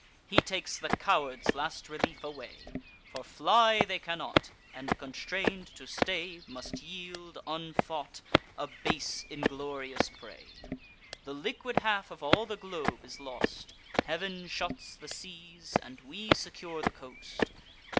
He takes the cowards' last relief away; For fly they cannot, and, constrain'd to stay, Must yield unfought, a base inglorious prey. The liquid half of all the globe is lost; Heav'n shuts the seas, and we secure the coast.